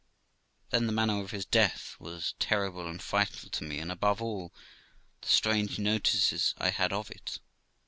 Then the manner of his death was terrible and frightful to me, and, above all, the strange notices I had of it.